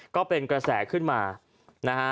ก็เป็นกระแสขึ้นมานะฮะ